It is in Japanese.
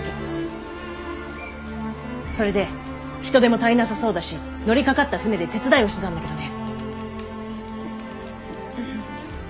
それで人手も足りなさそうだし乗りかかった船で手伝いをしてたんだけどね。